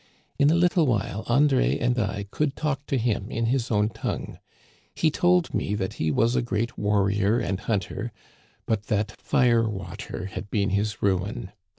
In a little while André and I could talk to him in his own tongue. He told me that he was a great warrior and hunter, but that fire water had been his ruin.